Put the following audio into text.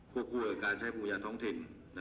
ควบคู่กันการใช้ภูมิจารณ์ท้องทิศ